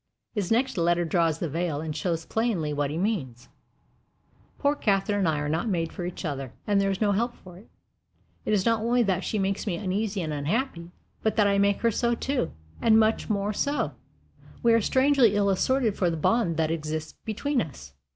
His next letter draws the veil and shows plainly what he means: Poor Catherine and I are not made for each other, and there is no help for it. It is not only that she makes me uneasy and unhappy, but that I make her so, too and much more so. We are strangely ill assorted for the bond that exists between us.